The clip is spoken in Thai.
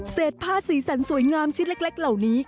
ผ้าสีสันสวยงามชิ้นเล็กเหล่านี้